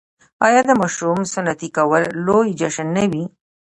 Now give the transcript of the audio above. آیا د ماشوم سنتي کول لوی جشن نه وي؟